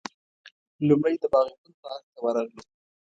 لومړی د باغ پل پارک ته ورغلو.